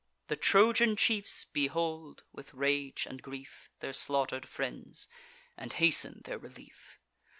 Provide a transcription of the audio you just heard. The Trojan chiefs behold, with rage and grief, Their slaughter'd friends, and hasten their relief.